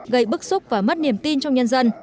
gây bức xúc và mất niềm tin trong nhân dân